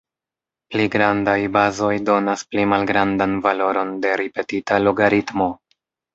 Pli grandaj bazoj donas pli malgrandan valoron de ripetita logaritmo.